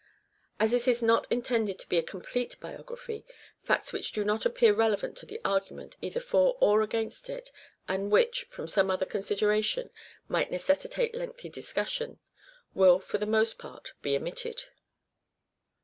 As this is not intended to be a complete biography, facts which do not appear relevant to the argument, either for or against it, and which, from some other consideration, might necessitate lengthy discussion, will, for the most part, be omitted.